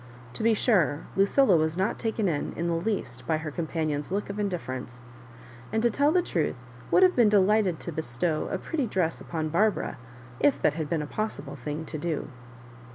To be sure, Lucilla was not taken in, in the least, by her companion's look of indifference, and, to tell the truth, would have been delighted to bestow a pretty dress upon Barbara, if that had been a possible thing to do.